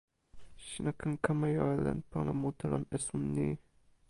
sina ken kama jo e len pona mute lon esun ni.